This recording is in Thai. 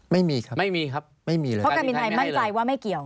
ไม่มีครับเพราะการบินไทยไม่ให้เลยไม่มีครับเพราะการบินไทยมั่นใจว่าไม่เกี่ยว